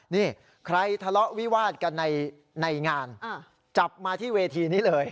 นี่ใครทะเลาะวิวาดกันในงานจับมาที่เวทีนี้เลย